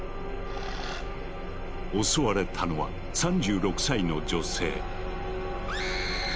襲われたのは３６歳の女性。